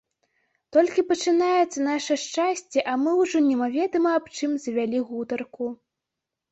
Толькі пачынаецца наша шчасце, а мы ўжо немаведама аб чым завялі гутарку.